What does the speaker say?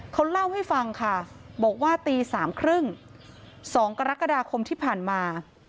เขาเล่าให้ฟังค่ะบอกว่าตีสามครึ่งสองกรกฎาคมที่ผ่านมา